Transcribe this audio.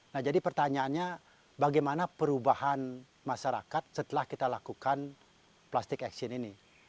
nah jadi pertanyaannya bagaimana perubahan masyarakat setelah kita lakukan plastic action ini